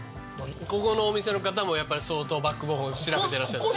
ここのお店の方もやっぱり相当バックボーンを調べてらっしゃるんですね？